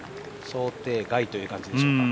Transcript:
想定外という感じでしょうか。